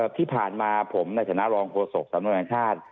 ที่ผ่านมาผมในชนะรองโฆษกสำนักงานชาติ